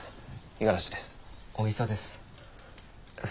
五十嵐です。